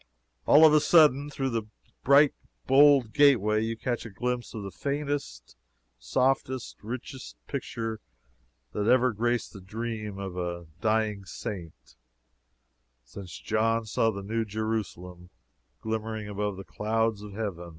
All of a sudden, through this bright, bold gateway, you catch a glimpse of the faintest, softest, richest picture that ever graced the dream of a dying Saint, since John saw the New Jerusalem glimmering above the clouds of Heaven.